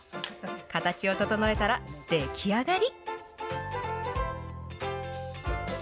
形を整えたら出来上がり。